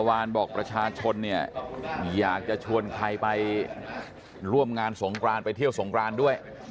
วานบอกประชาชนเนี่ยอยากจะชวนใครไปร่วมงานสงกรานไปเที่ยวสงครานด้วย